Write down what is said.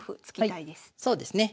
そうですね。